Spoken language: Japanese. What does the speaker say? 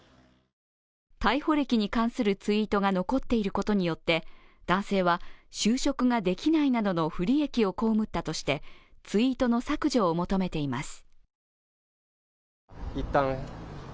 逮捕歴に関するツイートが残っていることによって男性は就職ができないなどの不利益を被ったとしてツイートの削除を求めています。